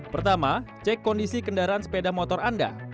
pertama cek kondisi kendaraan sepeda motor anda